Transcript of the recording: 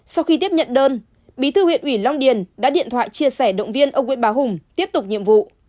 sau khi tiếp nhận đơn bí thư huyện ủy long điền đã điện thoại chia sẻ động viên ông nguyễn báo hùng tiếp tục nhiệm vụ